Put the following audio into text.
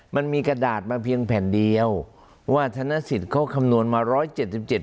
มันมีกระดาษมาเพียงแผ่นเดียวว่าธนสิทธิ์เขาคำนวณมาร้อยเจ็ดสิบเจ็ด